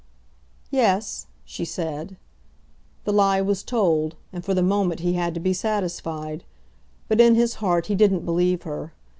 "Yes," she said. The lie was told; and for the moment he had to be satisfied. But in his heart he didn't believe her.